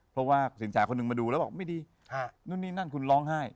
เพราะว่าสินแจคนหนึ่งมาดูแล้วบอกไม่ดีนู่นนี่นั่นคุณร้องไห้